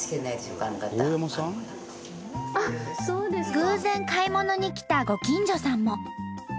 偶然買い物に来たご近所さんも。